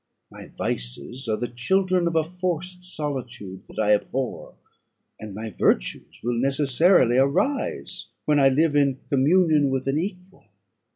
My vices are the children of a forced solitude that I abhor; and my virtues will necessarily arise when I live in communion with an equal.